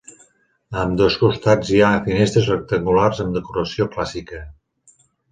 A ambdós costats hi ha finestres rectangulars amb decoració clàssica.